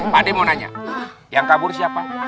pade mau nanya yang kabur siapa